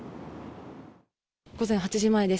午前８時前です。